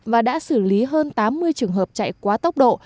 và đã xử lý hơn tám mươi trường hợp chạy quá tốc độ